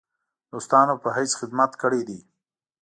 دوستانو په حیث خدمت کړی دی.